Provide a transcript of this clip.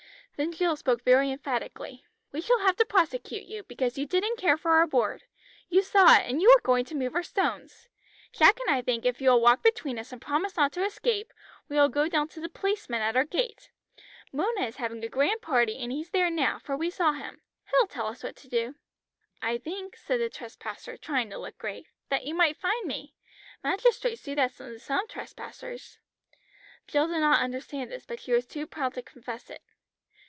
Then Jill spoke very emphatically. "We shall have to prosecute you, because you didn't care for our board. You saw it and you were going to move our stones. Jack and I think if you will walk between us and promise not to escape, we will go down to the policeman at our gate. Mona is having a grand party and he's here now, for we saw him. He'll tell us what to do." "I think," said the trespasser, trying to look grave, "that you might fine me. Magistrates do that to some trespassers." Jill did not understand this, but she was too proud to confess it.